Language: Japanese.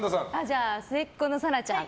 じゃあ末っ子の紗来ちゃん。